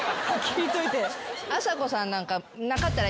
あさこさんなんか。